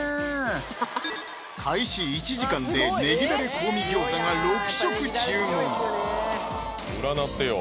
開始１時間でねぎダレ香味餃子が６食注文占ってよ！